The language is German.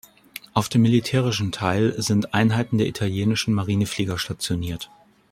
Auf dem militärischen Teil sind Einheiten der italienischen Marineflieger stationiert.